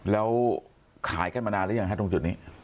แล้วขายกันมานานหรือยังฮะตรงจุดนี้